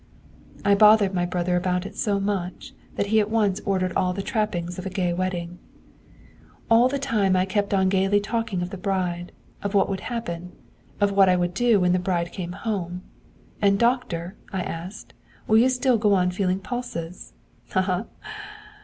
'I bothered my brother about it so much that he at once ordered all the trappings of a gay wedding. 'All the time I kept on gaily talking of the bride, of what would happen, of what I would do when the bride came home. "And, doctor," I asked, "will you still go on feeling pulses?" Ha! ha! ha!